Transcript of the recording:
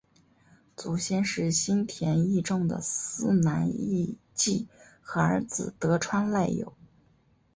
祖先是新田义重的四男义季和儿子得川赖有。